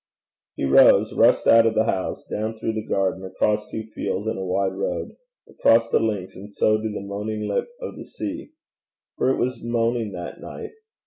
He rose, rushed out of the house, down through the garden, across two fields and a wide road, across the links, and so to the moaning lip of the sea for it was moaning that night.